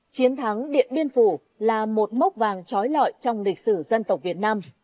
chiến thắng điện biên phủ là một mốc vàng trói lọi trong lịch sử dân tộc việt nam